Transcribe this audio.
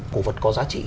cổ vật có giá trị